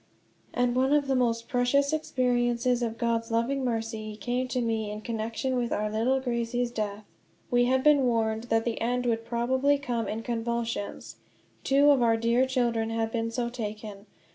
And one of the most precious experiences of God's loving mercy came to me in connection with our little Gracie's death. We had been warned that the end would probably come in convulsions; two of our dear children had been so taken.